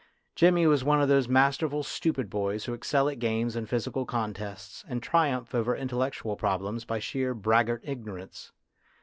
Jimmy was one of those masterful stupid boys who excel at games and physical contests, and triumph over intellec tual problems by sheer braggart ignorance.